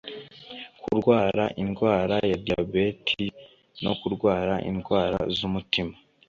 kurwara indwara ya diyabeti no kurwara indwara z’umutima